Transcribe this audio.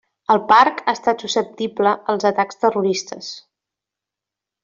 El parc ha estat susceptible als atacs terroristes.